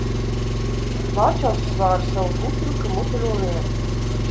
Lāčausis vāra savu putru, ka mutuļo vien.